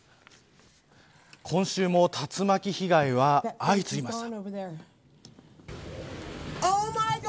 今週も竜巻被害は相次ぎました。